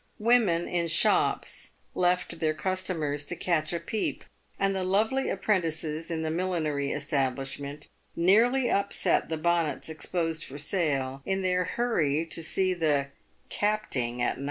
"Women in shops left their customers to catch a peep, and the lovely apprentices in the millinery establishment nearly upset the bonnets exposed for sale in their hurry to see the " capting at No.